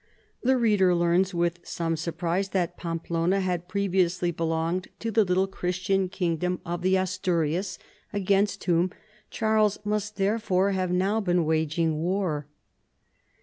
The reader learns with some surprise that Pamelona had previously belonged to the little Christian kingdom of the RONCESVALLES. 195 Asturias, against whom Charles must therefore have now been waging war.